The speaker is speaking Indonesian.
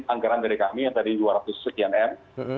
anggaran dari kami yang tadi dua ratus sekian m